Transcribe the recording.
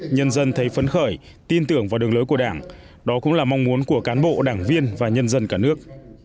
nhân dân thấy phấn khởi tin tưởng vào đường lối của đảng đó cũng là mong muốn của cán bộ đảng viên và nhân dân cả nước